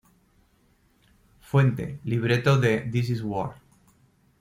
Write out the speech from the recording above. Fuente: Libreto de "This Is War".